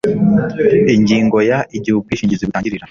ingingo ya igihe ubwishingizi butangirira